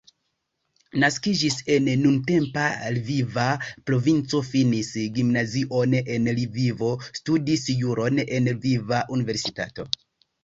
Naskiĝis en nuntempa Lviva provinco, finis gimnazion en Lvivo, studis juron en Lviva Universitato.